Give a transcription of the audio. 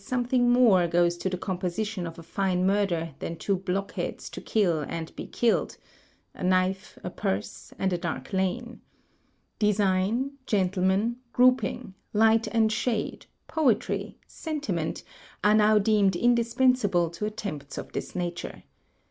something more goes to the r Si 222 THE TECHNIQUE OF THE MYSTERY STORY composition of a fine murder than two blockheads to kill and be killed — a knife — a purse — and a dark lane. Design, gentlemen, grouping, light and shade, poetry, sentiment, are now deemed indispensable to attempts of this nature.